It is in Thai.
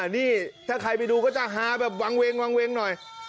นี่ถ้าใครไปดูก็จะฮาแบบวางเวงวางเวงหน่อย